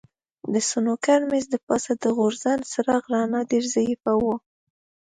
د سنوکر مېز د پاسه د ځوړند څراغ رڼا ډېره ضعیفه وه.